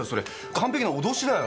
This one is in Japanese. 完璧な脅しだよ。